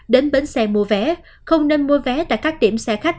đến bến xe mua vé không nên mua vé tại các điểm xe khách